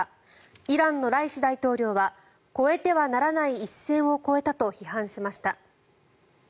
イランのライシ大統領は越えてはならない一線を越えたと批判しました。